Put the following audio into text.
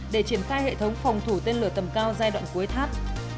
để triển khai hệ thống phòng thủ tên lửa tầm cao giai đoạn cuối thắt